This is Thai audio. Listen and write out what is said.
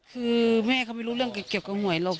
คือแม่เขาไม่รู้เรื่องเกี่ยวกับหวยหรอก